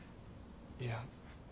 いや。